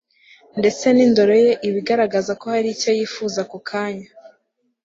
ndetse n'indoro ye iba igaragaza ko hari icyo yifuza ako kanya